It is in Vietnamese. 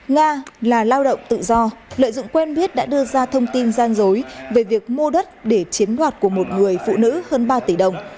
nga là lao động tự do lợi dụng quen biết đã đưa ra thông tin gian dối về việc mua đất để chiếm đoạt của một người phụ nữ hơn ba tỷ đồng